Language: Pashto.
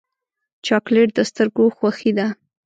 چاکلېټ د سترګو خوښي ده.